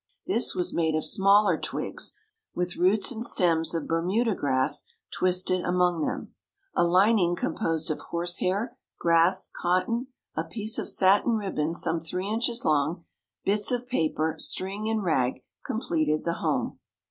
This was made of smaller twigs, with roots and stems of Bermuda grass twisted among them. A lining composed of horse hair, grass, cotton, a piece of satin ribbon some three inches long, bits of paper, string and rag completed the home.